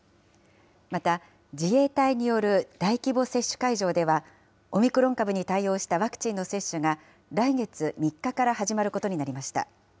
また、自衛隊による大規模接種会場では、オミクロン株に対応したワクチンの接種が来月３日から始まることになりました。